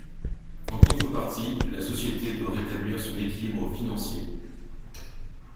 En contrepartie, la société doit rétablir son équilibre financier.